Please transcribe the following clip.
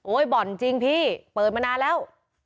บ่อนจริงพี่เปิดมานานแล้ว